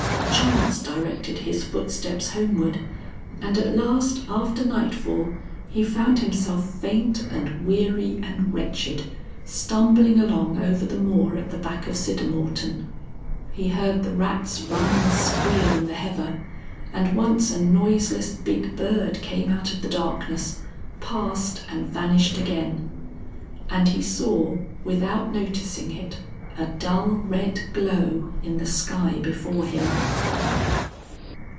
Chance directed his footsteps homeward and, at last, after nightfall, he found himself faint and weary and wretched, stumbling along over the moor at the back of Siddermorton. He heard the rats run and squeal in the heather, and once a noiseless big bird came out of the darkness, passed, and vanished again. And he saw without noticing it a dull red glow in the sky before him.